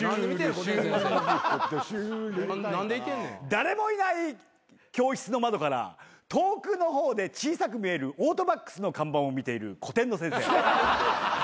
誰もいない教室の窓から遠くの方で小さく見えるオートバックスの看板を見ている古典の先生。